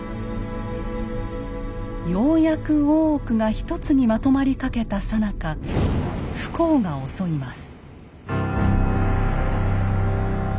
ようやく大奥が一つにまとまりかけたさなか不幸が襲います。